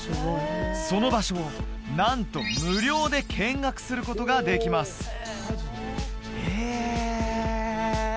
その場所をなんと無料で見学することができますへえ！